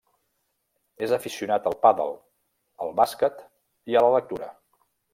És aficionat al pàdel, al bàsquet, i a la lectura.